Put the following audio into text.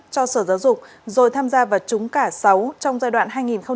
cho sở giáo dục rồi tham gia và trúng cả sáu trong giai đoạn hai nghìn một mươi sáu hai nghìn một mươi chín